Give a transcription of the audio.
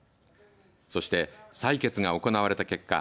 そして、採決が行われた結果